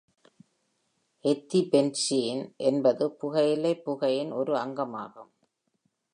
Ethylbenzene என்பது புகையிலைப் புகையின் ஒரு அங்கமாகும்.